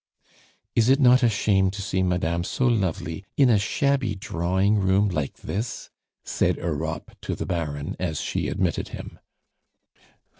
"Is it not a shame to see madame so lovely in a shabby drawing room like this?" said Europe to the Baron, as she admitted him.